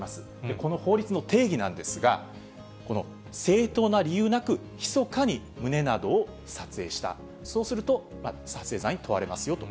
この法律の定義なんですが、正当な理由なくひそかに胸などを撮影した、そうすると撮影罪に問われますよと。